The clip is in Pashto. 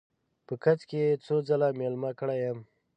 په کڅ کې یې څو ځله میلمه کړی یم.